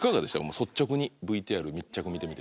もう率直にＶＴＲ密着見てみて。